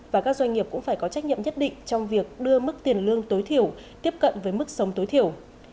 và các doanh nghiệp cũng phải có trách nhiệm nhất định trong việc đưa mức tiền lương tối thiểu tiếp cận với mức sống tối thiểu